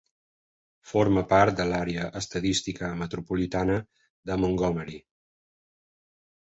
Forma part de l'àrea estadística metropolitana de Montgomery.